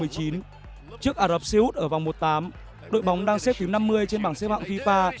trước ả rập xê út ở vòng một tám đội bóng đang xếp thứ năm mươi trên bảng xếp hạng fifa